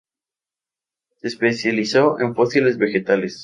Se especializó en fósiles vegetales.